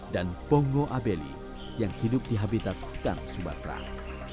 dan pongo abeli yang hidup di habitat hutan subakarang